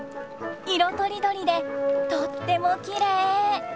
色とりどりでとってもきれい！